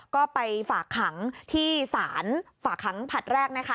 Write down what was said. ก็ไปฝากขังที่ศาลฝากขังผลัดแรกนะคะ